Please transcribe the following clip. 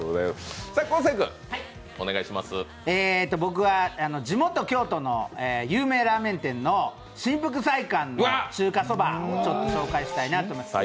僕は地元・京都の有名ラーメン店の新福菜館の中華そばを紹介したいなと思います。